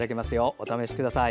お試しください。